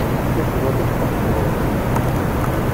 Tis tẓat ad teffeɣ fell-awen?